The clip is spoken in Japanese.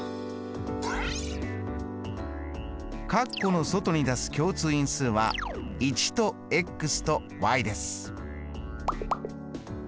括弧の外に出す共通因数は１ととです。